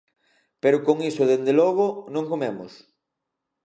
Pero con iso dende logo non comemos.